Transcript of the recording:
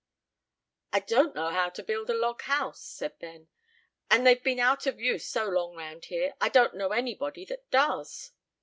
"I don't know how to build a log house," said Ben; "and they've been out of use so long round here, I don't know anybody that does."